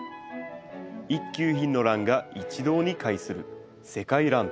一級品のランが一堂に会する「世界らん展」。